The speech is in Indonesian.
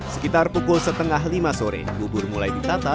sekitar pukul setengah lima sore bubur mulai ditata